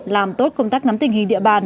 làm tốt công tác nắm tình hình địa bàn